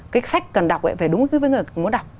cái sách cần đọc phải đúng với người muốn đọc